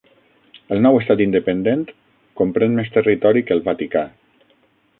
El nou estat independent comprèn més territori que el Vaticà.